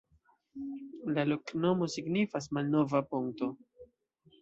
La loknomo signifas: malnova ponto.